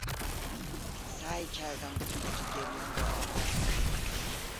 سعی کردم کودک گریان را آرام کنم.